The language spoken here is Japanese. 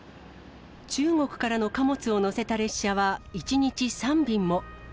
中国からの貨物を載せた列車は１日３便も。